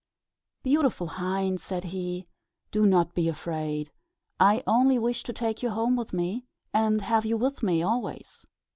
"Beautiful hind," said he, "do not be afraid. I only wish to take you home with me, and have you with me always."